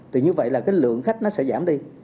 thì như vậy là cái lượng khách nó sẽ giảm đi